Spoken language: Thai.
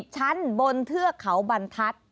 ชั้นบนเทือกเขาบรรทัศน์